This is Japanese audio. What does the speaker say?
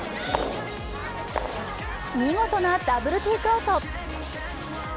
見事なダブルテイクアウト。